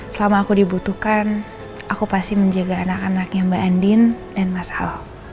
selama aku dibutuhkan aku pasti menjaga anak anaknya mbak andin dan mas al